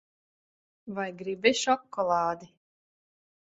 Vai gribi šokolādi?